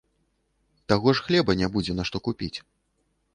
Таго ж хлеба не будзе на што купіць.